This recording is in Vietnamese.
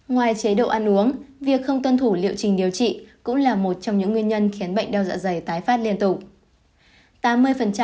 ngoài chế độ ăn uống việc không tuân thủ liệu trình điều trị cũng là một trong những nguyên nhân khiến bệnh đau dạ dày tái phát liên tục